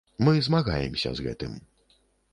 Мы змагаемся з гэтым.